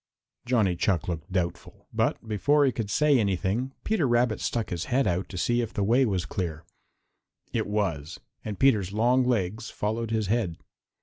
Johnny Chuck looked doubtful, but before he could say anything Peter Rabbit stuck his head out to see if the way was clear. It was, and Peter's long legs followed his head.